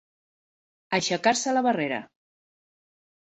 Aixecar-se la barrera.